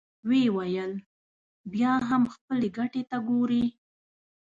ويې ويل: بيا هم خپلې ګټې ته ګورې!